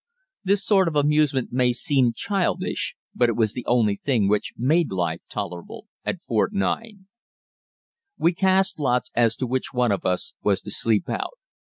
This sort of amusement may seem childish, but it was the only thing which made life tolerable at Fort 9. We cast lots as to which one of us was to sleep out.